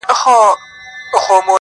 نن د هغو فرشتو سپین هغه واورین لاسونه -